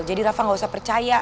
jadi rafa gak usah percaya